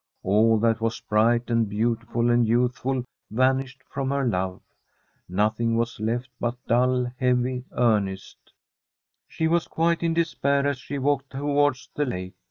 All that was bright and beautiful and youthful vanished from her love. Nothing was left but dull, heavy earnest. She was quite in despair as she walked towards the lake.